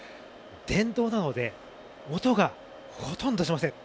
電動なので、音がほとんどしません